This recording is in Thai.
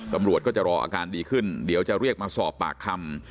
ตำรวจก็จะรออาการดีขึ้นเดี๋ยวจะเรียกมาสอบปากคำ